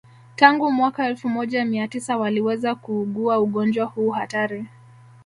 Tangu mwaka elfu moja Mia tisa waliweza kuugua ugonjwa huu hatari